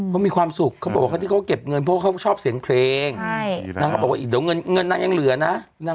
เขามีความสุขเขาบอกว่าเขาที่เข้าเก็บเงินเพราะเขาชอบเสียงเพลง